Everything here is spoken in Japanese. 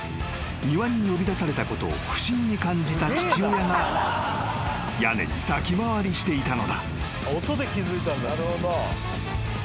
［庭に呼び出されたことを不審に感じた父親が屋根に先回りしていたのだ］